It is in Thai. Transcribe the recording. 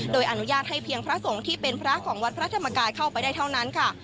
โดยอนุญาตให้เพียงพระสงฆ์ที่เป็นพระของวัดพระธรรมกายเข้าไปได้เท่านั้นค่ะ